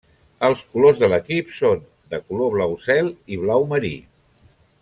Els colors de l'equip són de color blau cel i blau marí.